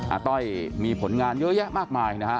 อาต้อยมีผลงานเยอะมากมายนะครับ